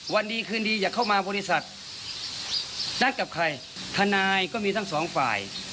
วันดีคืนดีอย่าเข้ามาบริษัทนัดกับใครทนายก็มีทั้งสองฝ่าย